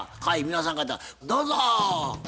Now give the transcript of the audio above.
はい皆さん方どうぞ！